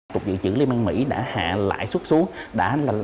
cục dự trữ liên bang mỹ đã hạ lại xuất xuất